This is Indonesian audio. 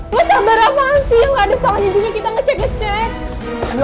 gua sabar apaan sih ga ada kesalahan hidungnya kita ngecek ngecek